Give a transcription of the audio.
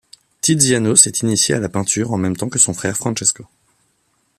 Tiziano s'est initié à la peinture en même temps que son frère Francesco.